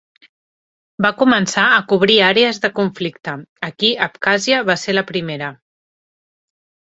Va començar a cobrir àrees de conflicte, aquí, Abkhàzia va ser la primera.